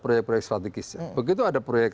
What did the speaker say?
proyek proyek strategisnya begitu ada proyek